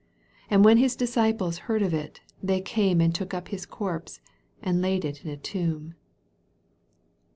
29 And when his disciples heard of it, they came and took up his corpse, and laid it in a tomb.